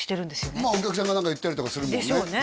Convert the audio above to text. まあお客さんが何か言ったりとかするもんねでしょうね